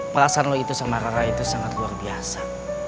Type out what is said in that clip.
perasaan lo itu sama rara itu sangat luar biasa